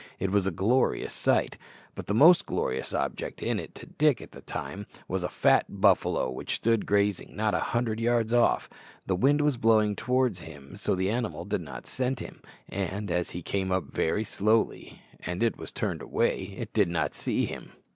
It was a glorious sight; but the most glorious object in it to Dick, at that time, was a fat buffalo which stood grazing not a hundred yards off. The wind was blowing towards him, so that the animal did not scent him, and, as he came up very slowly, and it was turned away, it did not see him.